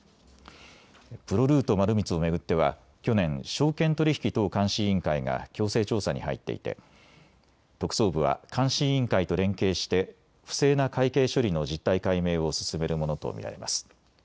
プロルート丸光を巡っては去年、証券取引等監視員会が強制調査に入っていて特捜部は監視委員会と連携して不正な会計処理の実態解明を進めるものと見られます。